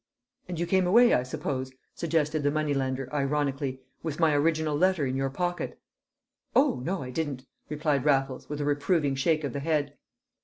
"And you came away, I suppose," suggested the money lender, ironically, "with my original letter in your pocket?" "Oh, no, I didn't," replied Raffles, with a reproving shake of the head.